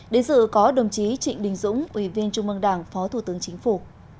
đến dự có đồng chí trịnh đình dũng ủy viên trung mương đảng phó thủ tướng chính phủ